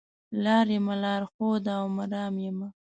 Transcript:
لار یمه لار ښوده او مرام یمه